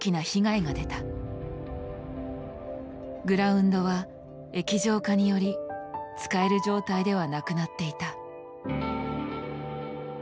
グラウンドは液状化により使える状態ではなくなっていた。